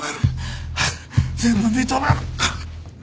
全部認める。